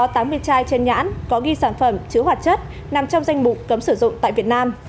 có tám mươi chai trên nhãn có ghi sản phẩm chứa hoạt chất nằm trong danh mục cấm sử dụng tại việt nam